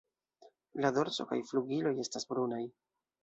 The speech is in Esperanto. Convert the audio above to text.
La dorso kaj flugiloj estas brunaj.